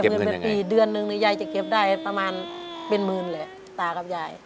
ปีเดือนหนึ่งเนี่ยยายจะเก็บได้ประมาณเป็นหมื่นแหละตาครับยาย